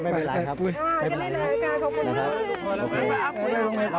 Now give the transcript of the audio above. ขอบคุณบ้างสวัสดีค่ะ